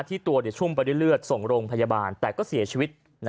ที่ตัวชุ่มไปด้วยเลือดส่งโรงพยาบาลแต่ก็เสียชีวิต